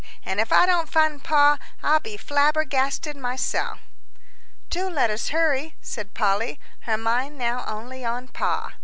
An' if I don't find Pa, I'll be flabbergasted myself." "Do let us hurry," said Polly, her mind now only on Pa.